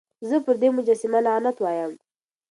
زه پر دې مجسمه لعنت وايم.